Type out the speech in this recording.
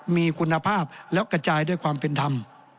มีคุณภาพแล้วกระจายด้วยความเป็นธรรม